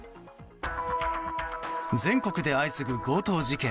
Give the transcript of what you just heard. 全国で相次ぐ強盗事件。